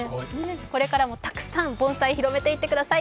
これからもたくさん盆栽広めていってください。